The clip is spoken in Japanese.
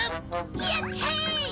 やっちゃえ！